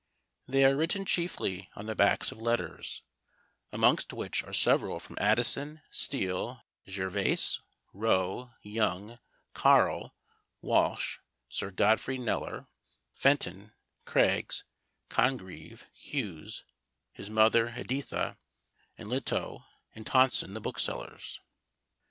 They are written chiefly on the backs of letters, amongst which are several from Addison, Steele, Jervaise, Rowe, Young, Caryl, Walsh, Sir Godfrey Kneller, Fenton, Craggs, Congreve, Hughes, his mother Editha, and Lintot and Tonson the booksellers.